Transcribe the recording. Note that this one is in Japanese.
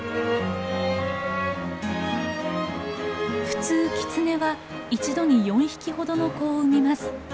普通キツネは一度に４匹ほどの子を産みます。